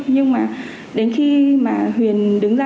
nhưng mà đến khi mà huyền đứng ra